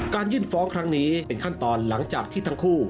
ยื่นฟ้องครั้งนี้เป็นขั้นตอนหลังจากที่ทั้งคู่